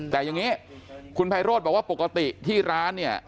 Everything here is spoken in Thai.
แต่อย่างนี้คุณไพโรธบอกว่าปกติที่ร้านเนี่ย